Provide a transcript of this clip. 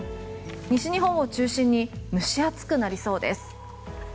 西日本を中心に蒸し暑くなりそうです。